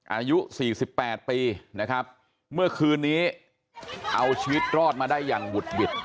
อายุสี่สิบแปดปีนะครับเมื่อคืนนี้เอาชีวิตรอดมาได้อย่างบุดหวิด